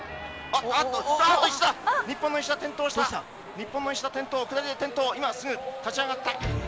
日本の石田転倒下りで転倒今すぐ立ち上がった。